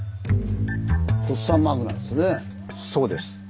そうです。